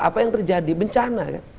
apa yang terjadi bencana